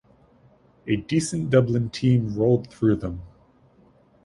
A decent Dublin team rolled through them.